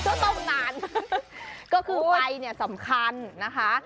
ก็ต้มนานก็คือไฟสำคัญนะคะ